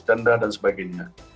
tanda dan sebagainya